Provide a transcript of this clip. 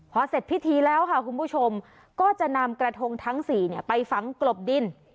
พอเสร็จพิธีแล้วค่ะคุณผู้ชมก็จะนำกระทงทั้ง๔ไปฝังกลบดิน